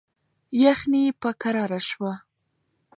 یخني په کراره شوه.